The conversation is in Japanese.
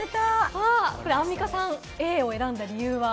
アンミカさん、Ａを選んだ理由は？